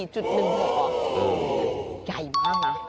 ๔จุดหนึ่งแบบว่าใหญ่มากนะ